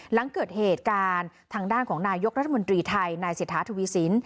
หลังเกิดเหตุการณ์ทางด้านของนายกรัฐมนตรีไทยนายเศรษฐาทวีสิน